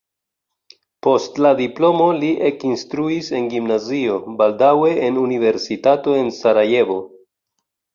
Post la diplomo li ekinstruis en gimnazio, baldaŭe en universitato en Sarajevo.